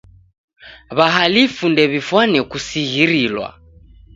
W'ahalifu ndew'ifwane kusighirilwa.